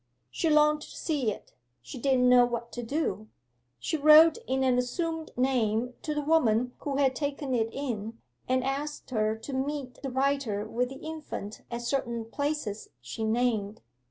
She longed to see it. She didn't know what to do. She wrote in an assumed name to the woman who had taken it in, and asked her to meet the writer with the infant at certain places she named.